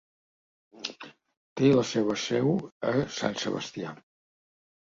Té la seva seu a Sant Sebastià.